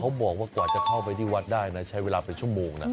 บอกว่ากว่าจะเข้าไปที่วัดได้นะใช้เวลาเป็นชั่วโมงนะ